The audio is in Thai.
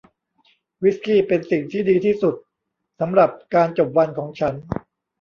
วิสกี้เป็นสิ่งที่ดีที่สุดสำหรับการจบวันของฉัน